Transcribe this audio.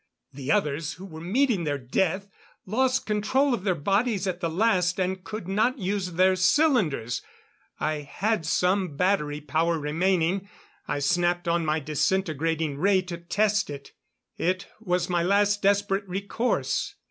The others who were meeting their death lost control of their bodies at the last and could not use their cylinders. I had some battery power remaining; I snapped on my disintegrating ray to test it. It was my last desperate recourse.